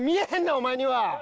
お前には！